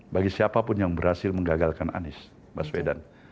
bagi siapapun yang berhasil menggagalkan anies baswedan